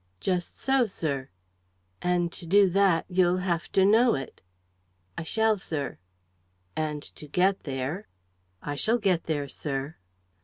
"Just so, sir." "And, to do that, you'll have to know it." "I shall, sir." "And to get there." "I shall get there, sir."